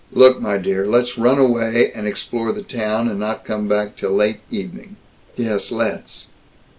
"Look! My dear! Let's run away, and explore the town, and not come back till late evening." "Yes. Let's."